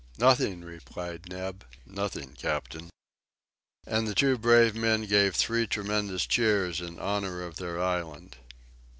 "Nothing," replied Neb; "nothing, captain." And the two brave men gave three tremendous cheers in honor of their island!